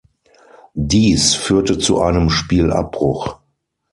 Dies führte zu einem Spielabbruch.